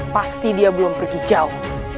pasti dia belum pergi jauh